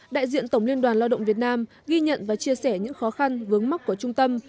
đại diện tổng liên đoàn lao động việt nam ghi nhận và chia sẻ những khó khăn vướng mắt của trung tâm